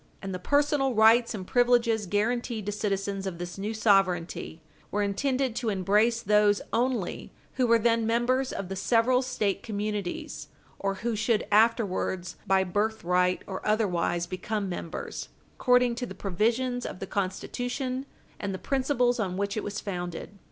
And the personal rights and privileges guarantied to citizens of this new sovereignty were intended to embrace those only who were then members of the several State communities, or who should afterwards by birthright or otherwise become members according to the provisions of the Constitution and the principles on which it was founded.